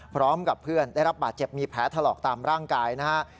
พร้อมกับเพื่อนได้รับบาดเจ็บมีแผลถลอกตามร่างกายนะฮะ